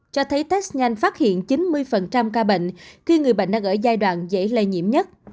cho thấy test nhanh phát hiện chín mươi ca bệnh khi người bệnh đang ở giai đoạn dễ lây nhiễm nhất